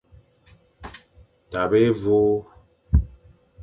Tabe évÔ.